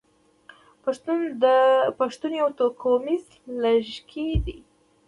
پښتون يو توکميز لږکي دی.